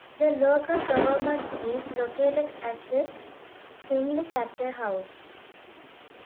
The local government is located at the Chinle Chapter House.